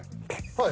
はい。